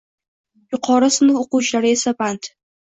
Yuqori sinf o‘quvchilari esa band.